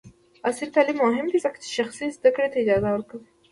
عصري تعلیم مهم دی ځکه چې شخصي زدکړې ته اجازه ورکوي.